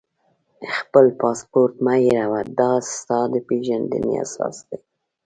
خپل پاسپورټ مه هېروه، دا ستا د پېژندنې اساس دی.